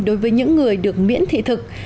đối với những người được miễn thị thực